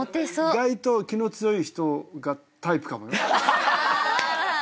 意外と気の強い人がタイプかもよ。